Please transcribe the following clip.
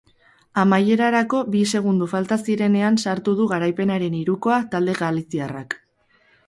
Amaierarako bi segundo falta zirenean sartu du garaipenaren hirukoa talde galiziarrak.